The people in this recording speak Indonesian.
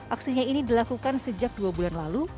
aksinya ini dilakukan sejak dua bulan lalu